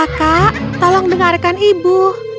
kakak tolong dengarkan ibu